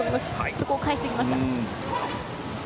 そこを返してきました。